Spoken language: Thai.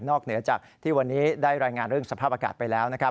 เหนือจากที่วันนี้ได้รายงานเรื่องสภาพอากาศไปแล้วนะครับ